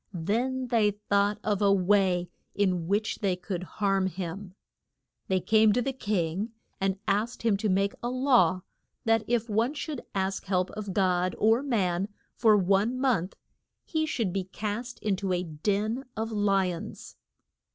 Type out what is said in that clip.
Then they thought of a way in which they could harm him. They came to the king and asked him to make a law that if one should ask help of God or man for one month, he should be cast in to a den of li ons.